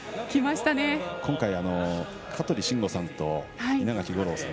今回、香取慎吾さんと稲垣吾郎さん